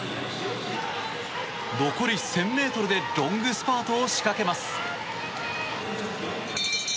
残り１０００ｍでロングスパートを仕掛けます。